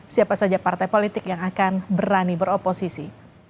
siapa saja partai politik yang akan berani beroposisi